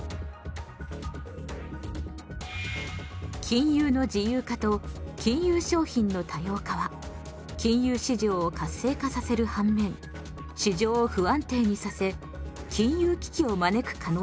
金融の自由化と金融商品の多様化は金融市場を活性化させる反面市場を不安定にさせ金融危機をまねく可能性を高めます。